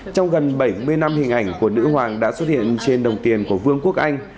trong gần bảy mươi năm hình ảnh của nữ hoàng đã xuất hiện trên đồng tiền của vương quốc anh